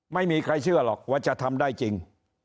ไม่มีใครเชื่อหรอกว่าจะทำได้จริง